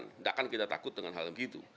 tidak akan kita takut dengan hal begitu